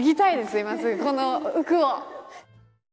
今すぐ、この服を。